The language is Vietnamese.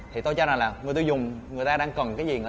thì tôi cho là người tiêu dùng người ta đang cần cái gì